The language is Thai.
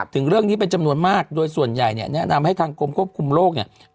ถึงเรื่องนี้เป็นจำนวนมากโดยส่วนใหญ่เนี่ยแนะนำให้ทางกรมควบคุมโรคเนี่ย